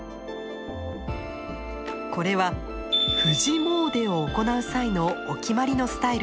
これは「富士詣で」を行う際のお決まりのスタイルです。